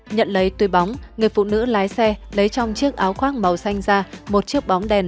nhận lấy túi bóng người phụ nữ lái xe lấy trong chiếc áo khoác màu xanh ra một chiếc bóng đèn